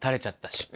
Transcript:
失敗。